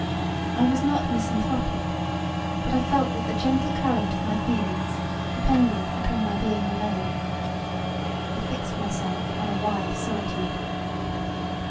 I was not mysanthropic, but I felt that the gentle current of my feelings depended upon my being alone. I fixed myself on a wide solitude.